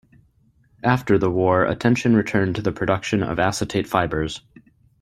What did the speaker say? After the war, attention returned to the production of acetate fibers.